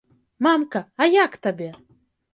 Мамка, а як табе?